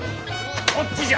こっちじゃ。